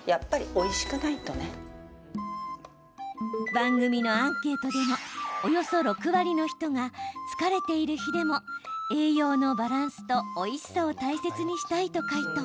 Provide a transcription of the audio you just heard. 番組のアンケートでも約６割の人が、疲れている日でも栄養のバランスと、おいしさを大切にしたいと回答。